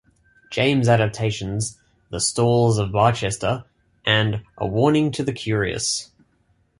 James adaptations: "The Stalls of Barchester" and "A Warning to the Curious".